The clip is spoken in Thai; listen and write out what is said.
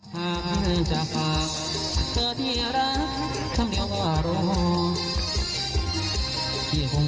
โภคก็พอแล้วทั้งกันแค่อุ้นเจ๊ปัน